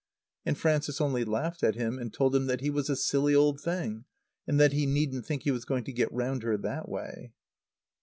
And Frances only laughed at him and told him that he was a silly old thing, and that he needn't think he was going to get round her that way.